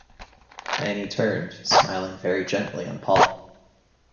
Fanny turned, smiling very gently on Paul.